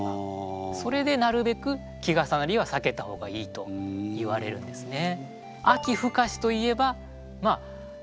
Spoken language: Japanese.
それでなるべく季重なりはさけた方がいいといわれるんですね。